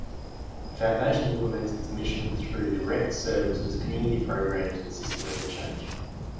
The foundation implements its mission through direct services, community programs and systemic change.